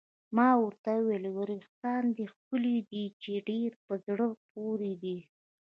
ما ورته وویل: وریښتان دې ښکلي دي، چې ډېر په زړه پورې دي.